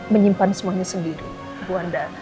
menyimpan semuanya sendiri ibu anda